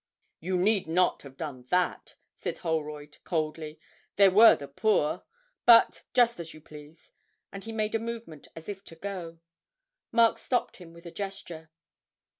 'You need not have done that,' said Holroyd, coldly; 'there were the poor. But just as you please!' and he made a movement as if to go. Mark stopped him with a gesture.